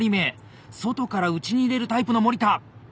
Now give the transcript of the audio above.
外から内に入れるタイプの森田。